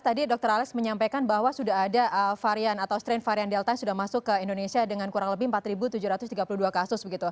tadi dr alex menyampaikan bahwa sudah ada varian atau strain varian delta yang sudah masuk ke indonesia dengan kurang lebih empat tujuh ratus tiga puluh dua kasus